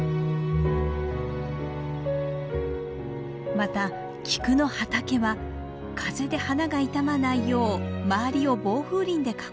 また菊の畑は風で花が傷まないよう周りを防風林で囲んでいます。